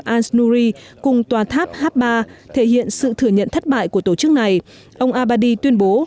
al nuri cùng tòa tháp h ba thể hiện sự thừa nhận thất bại của tổ chức này ông abadi tuyên bố